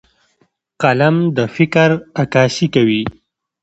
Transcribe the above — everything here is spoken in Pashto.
قلم د فکر عکاسي کوي